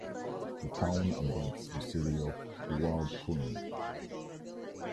The town abuts the city of Waupun.